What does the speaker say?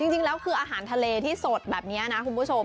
จริงแล้วคืออาหารทะเลที่สดแบบนี้นะคุณผู้ชม